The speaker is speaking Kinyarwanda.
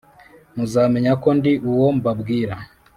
Muzamenya ko ndi uwo mbabwira